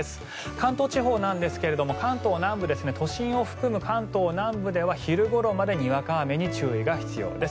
関東地方なんですけど都心を含む関東南部では昼ごろまでにわか雨に注意が必要です。